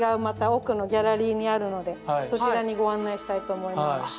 また奥のギャラリーにあるのでそちらにご案内したいと思います。